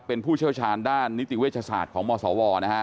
เป็นผู้เชี่ยวชาญด้านนิติเวชศาสตร์ของมศวนะฮะ